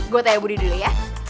gue tanya budi dulu ya